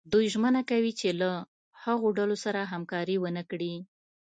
دوی ژمنه کوي چې له هغو ډلو سره همکاري ونه کړي.